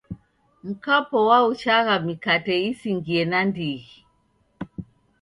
Mkwapo waochagha mikate isingie nandighi.